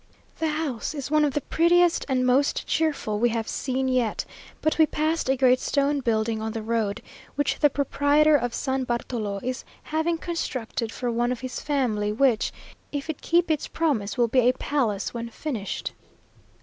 The house is one of the prettiest and most cheerful we have seen yet; but we passed a great stone building on the road, which the proprietor of San Bartolo is having constructed for one of his family, which, if it keep its promise, will be a palace when finished.